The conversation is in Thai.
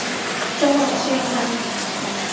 จังหวัดเชียงใหม่